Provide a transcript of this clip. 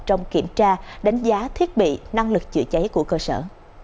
trong kiểm tra đánh giá thiết bị năng lực chữa cháy của cơ sở